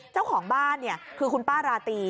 เจ้าของบ้านคือคุณป้าราตรี